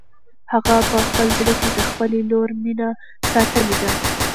هغه په خپل زړه کې د خپلې لور مینه ساتلې ده.